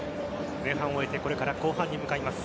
前半を終えてこれから後半に向かいます。